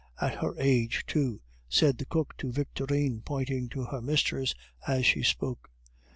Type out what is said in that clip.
"At her age, too!" said the cook to Victorine, pointing to her mistress as she spoke.